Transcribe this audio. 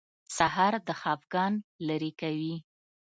سهار د خفګان لرې کوي.